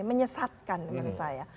menyesatkan menurut saya